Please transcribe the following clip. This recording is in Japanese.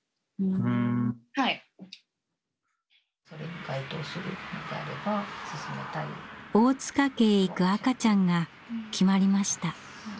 大塚家へ行く赤ちゃんが決まりました。